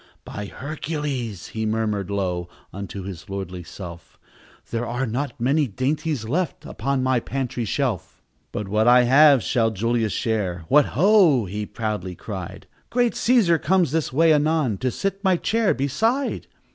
"By Hercules!" he murmured low Unto his lordly self, "There are not many dainties left Upon my pantry shelf! "But what I have shall Julius share. What, ho!" he proudly cried, "Great Cæsar comes this way anon To sit my chair beside.